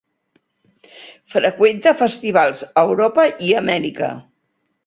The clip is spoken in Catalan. Freqüenta festivals a Europa i Amèrica.